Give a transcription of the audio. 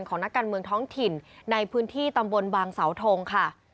นักการเมืองท้องถิ่นในพื้นที่ตำบลบางเสาทงค่ะ